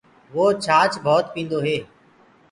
وو ڇآچ ڀوت پيٚندو هي۔